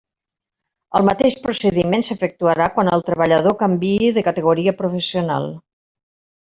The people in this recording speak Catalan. El mateix procediment s'efectuarà quan el treballador canviï de categoria professional.